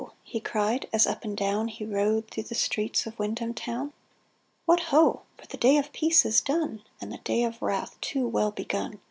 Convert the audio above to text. he cried, as up and down He rode through the streets of Windham town —*' What, ho ! for the day of peace is done, And the day of wrath too well begun